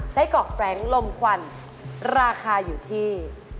ไส้กรอกแร้งลมควันราคาอยู่ที่